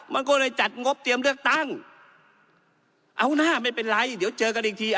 มันก็เลยจัดงบเตรียมเลือกตั้งเอาหน้าไม่เป็นไรเดี๋ยวเจอกันอีกที